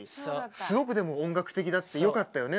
すごくでも音楽的だってよかったよね。